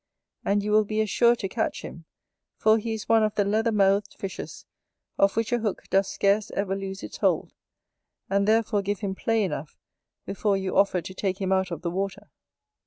And you will be as sure to catch him; for he is one of the leather mouthed fishes, of which a hook does scarce ever lose its hold; and therefore give him play enough before you offer to take him out of the water.